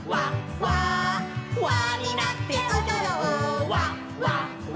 「輪になっておどろうわわわ」